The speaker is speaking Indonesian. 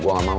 gue gak mau